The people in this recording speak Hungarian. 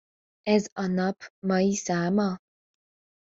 Ez A Nap mai száma?